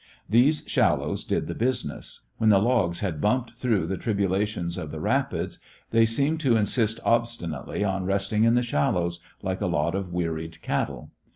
These shallows did the business. When the logs had bumped through the tribulations of the rapids, they seemed to insist obstinately on resting in the shallows, like a lot of wearied cattle.